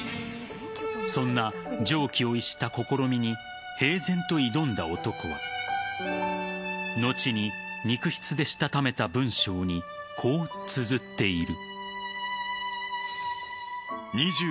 そんな常軌を逸した試みに平然と挑んだ男が後に肉質でしたためた文章にこうつづっている。